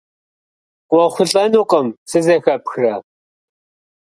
КъыуэхъулӀэнукъым, сызэхэпхрэ?